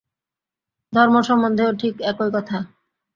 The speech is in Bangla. ধর্ম সম্বন্ধেও ঠিক একই কথা।